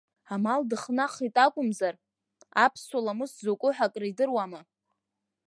Амал дыхнахит акәымзар, аԥсуа ламыс закәу ҳәа акридыруама?